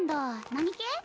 何系？